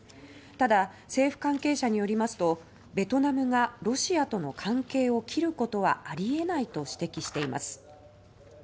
ただ政府関係者によりますと「ベトナムがロシアとの関係を切ることはありえない」と指摘しています。